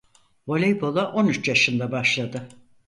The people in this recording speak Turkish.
Voleybola on üç yaşında başladı.